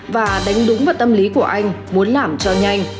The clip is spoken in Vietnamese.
và đánh đúng vào tâm lý của anh muốn làm cho nhanh